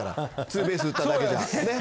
ツーベース打っただけじゃね。